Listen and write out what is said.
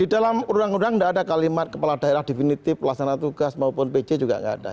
di dalam undang undang tidak ada kalimat kepala daerah definitif pelaksana tugas maupun pc juga nggak ada